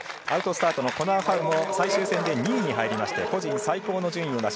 アウトスタートのコナー・ハウも最終戦で２位に入りまして個人最高の順位。